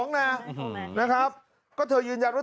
นะครับก็เธอยืนยันว่า